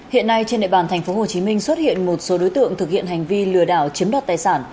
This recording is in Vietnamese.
hiện nay trên địa bàn tp hcm xuất hiện một số đối tượng thực hiện hành vi lừa đảo chiếm đoạt tài sản